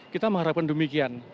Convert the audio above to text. kita mengharapkan demikian